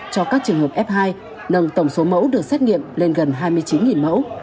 cho các trường hợp f hai nâng tổng số mẫu được xét nghiệm lên gần hai mươi chín mẫu